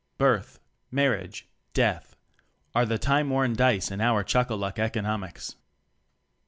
Birth, Marriage, Death, are the time worn dice in our chuck a luck economics.